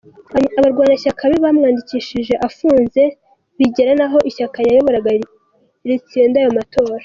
Abarwanashyaka be bamwandikishije afunze, bigera naho ishyaka yayoboraga ritsinda ayo matora.